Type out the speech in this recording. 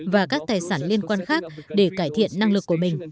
và các tài sản liên quan khác để cải thiện năng lực của mình